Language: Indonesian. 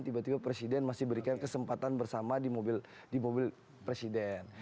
tiba tiba presiden masih berikan kesempatan bersama di mobil presiden